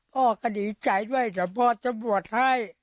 พ่อก็ดีใจด้วยแต่พ่อจะบวชให้